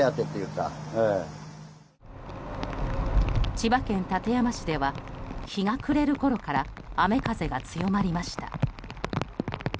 千葉県館山市では日が暮れるころから雨風が強まりました。